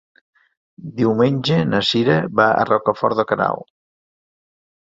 Diumenge na Sira va a Rocafort de Queralt.